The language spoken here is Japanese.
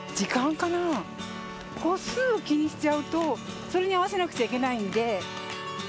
歩数を気にしちゃうとそれに合わせなくちゃいけないんで。